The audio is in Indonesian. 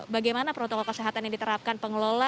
bagaimana protokol kesehatan yang diterapkan pengelola